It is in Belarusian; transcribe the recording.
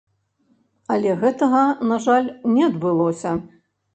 Але гэтага, на жаль, не адбылося.